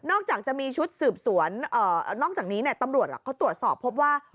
จากจะมีชุดสืบสวนนอกจากนี้ตำรวจเขาตรวจสอบพบว่า